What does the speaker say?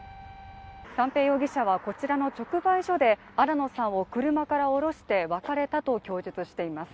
三瓶容疑者はこちらの直売所で新野さんを車から降ろして別れたと供述しています。